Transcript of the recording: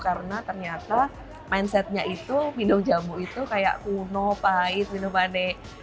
karena ternyata mindsetnya itu minum jamu itu kayak kuno pahit minum aneh